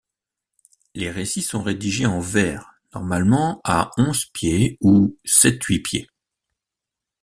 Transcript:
Les récits sont rédigés en vers normalement à onze pieds ou sept-huit pieds.